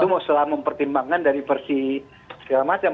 masalah mempertimbangkan dari versi segala macam